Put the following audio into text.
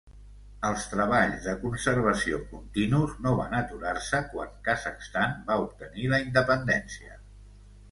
Els treballs de conservació continus no van aturar-se quan Kazakhstan va obtenir la independència.